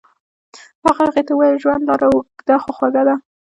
هغه هغې ته وویل ژوند لاره اوږده خو خوږه ده.